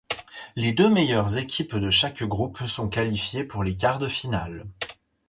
Les deux meilleures équipes de chaque groupes sont qualifiées pour les quarts de finale.